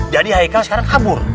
jadi haikal sekarang kabur